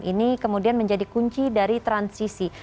ini kemudian menjadi kunci dari transisi